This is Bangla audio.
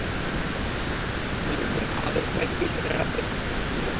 একটা কথা মনে রাখবেন, আমাদের সবাইকেই সেরাটা দিতে প্রস্তুত থাকতে হবে।